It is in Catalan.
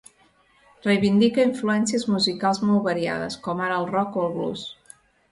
Reivindica influències musicals molt variades com ara el rock o el blues.